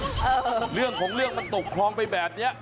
เรื่องของเรื่องมันตกคลองไปแบบนี้